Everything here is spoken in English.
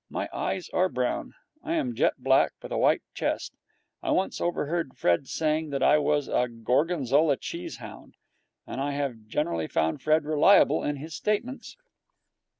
My eyes are brown. I am jet black, with a white chest. I once overheard Fred saying that I was a Gorgonzola cheese hound, and I have generally found Fred reliable in his statements.